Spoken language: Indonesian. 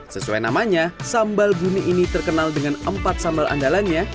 sesuai namanya sambal bumi ini terkenal dengan empat sambal andalannya